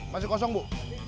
masih kosong bu